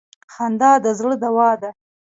خندا د زړه دوا ده.